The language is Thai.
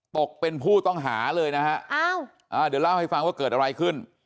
ตกเป็นผู้ต้องหาเลยนะฮะเดี๋ยวเล่าให้ฟังว่าเกิดอะไรขึ้น